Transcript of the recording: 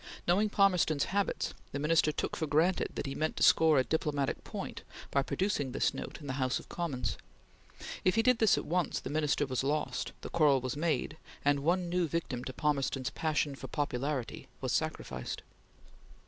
Knowing Palmerston's habits, the Minister took for granted that he meant to score a diplomatic point by producing this note in the House of Commons. If he did this at once, the Minister was lost; the quarrel was made; and one new victim to Palmerston's passion for popularity was sacrificed.